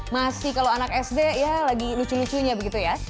masih kalau anak sd ya lagi lucu lucunya begitu ya